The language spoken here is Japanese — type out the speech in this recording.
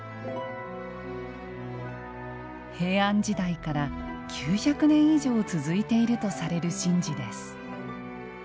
平安時代から、９００年以上続いているとされる神事です。